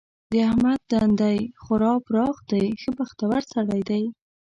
د احمد تندی خورا پراخ دی؛ ښه بختور سړی دی.